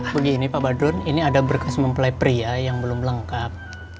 begini pak badun ini ada berkas mempelai pria yang belum lengkap